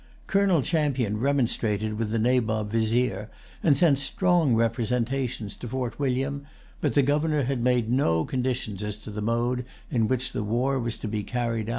Colonel Champion remonstrated with the Nabob Vizier, and sent strong representations to Fort William; but the Governor had made no conditions as to the mode in which the war was to be carried on.